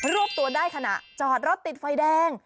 รวบตัวได้ขณะจอดรถติดไฟแดง